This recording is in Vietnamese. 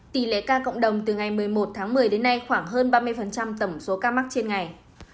tỷ lệ ca cộng đồng từ ngày một mươi một tháng một mươi đến nay khoảng hơn ba mươi tổng số ca mắc trên ngày